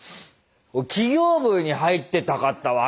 起業部に入ってたかったわ。